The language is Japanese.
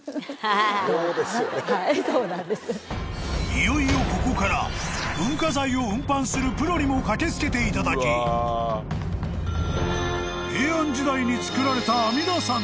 ［いよいよここから文化財を運搬するプロにも駆け付けていただき平安時代につくられた］